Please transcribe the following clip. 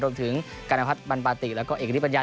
รวมถึงกรรณพัฒน์บันปาติแล้วก็เอกริปัญญา